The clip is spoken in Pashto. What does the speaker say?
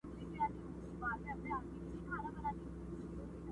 در جارېږمه سپوږمیه راته ووایه په مینه!!